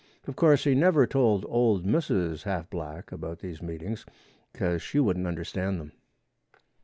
Of course, he never told old Mrs. Half Black about these meetings, cause she wouldn't understand them.